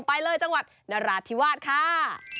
ไปเลยจังหวัดนราธิวาสค่ะ